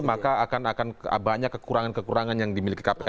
maka akan banyak kekurangan kekurangan yang dimiliki kpk